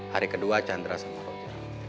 hari kedua chandra sama roja